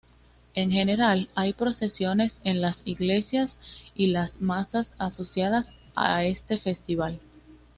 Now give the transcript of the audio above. En general, hay procesiones en las iglesias y las masas asociadas a este festival.